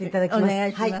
お願いします。